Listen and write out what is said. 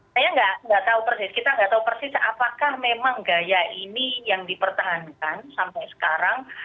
saya nggak tahu persis kita nggak tahu persis apakah memang gaya ini yang dipertahankan sampai sekarang